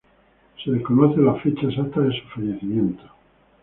Se desconoce la fecha exacta de su fallecimiento.